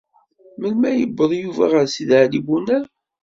Melmi ay yewweḍ Yuba ɣer Sidi Ɛli Bunab?